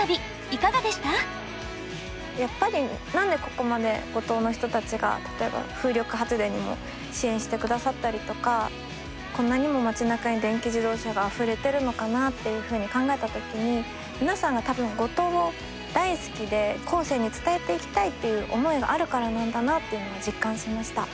やっぱり何でここまで五島の人たちが例えば風力発電にも支援してくださったりとかこんなにも町なかに電気自動車があふれてるのかなっていうふうに考えた時に皆さんが多分五島を大好きで後世に伝えていきたいっていう思いがあるからなんだなっていうのは実感しました。